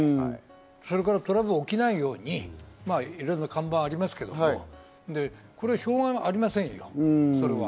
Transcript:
それからトラブルが起きないように、いろいろ看板がありますけど、しょうがありませんよ、それは。